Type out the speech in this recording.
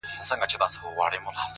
څه عجيبه جوارگر دي اموخته کړم _